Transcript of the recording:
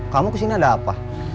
kamu kesini ada apa